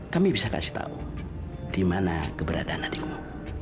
kami bisa kasih tahu di mana keberadaan adikmu